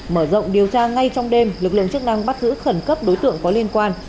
mở rộng điều tra ngay trong đêm lực lượng chức năng bắt giữ khẩn cấp đối tượng có liên quan